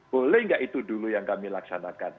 boleh nggak itu dulu yang kami laksanakan